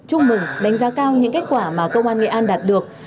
chúc mừng đánh giá cao những kết quả mà công an nghệ an đạt được